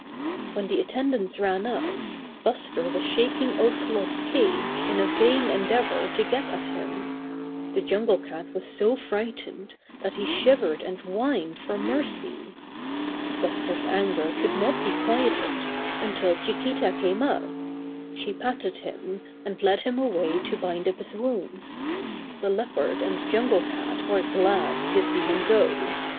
When the attendants ran up, Buster was shaking Ocelot's cage in a vain endeavor to get at him. The Jungle Cat was so frightened that he shivered and whined for mercy. Buster's anger could not be quieted until Chi quita came up. She patted him, and led him away to bind up his wounds. The Leopard and Jungle Cat were glad to see him go.